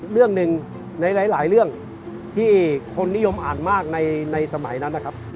เรื่องหนึ่งในหลายเรื่องที่คนนิยมอ่านมากในสมัยนั้นนะครับ